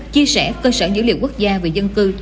chia sẻ cơ sở dữ liệu quốc gia về dân cư